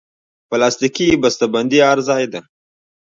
پلاستيکي بستهبندي هر ځای ده.